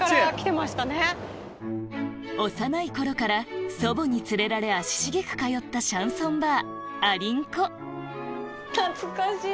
幼い頃から祖母に連れられ足しげく通ったシャンソンバー蟻ん子懐かしい！